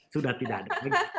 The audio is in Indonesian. sudah tidak ada lagi